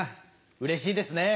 うれしいですね。